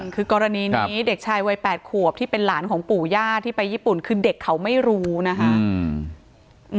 คือกรณีนี้เด็กชายวัย๘ขวบที่เป็นหลานของปู่ย่าที่ไปญี่ปุ่นคือเด็กเขาไม่รู้นะคะ